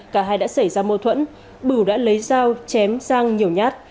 cả hai đã xảy ra mâu thuẫn bửu đã lấy dao chém giang nhiều nhát